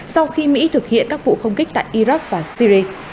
sau khi mỹ thực hiện các vụ không kích tại iraq và syri